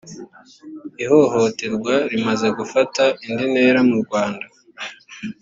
ihohoterwa rimaze gufata indi ntera mu rwanda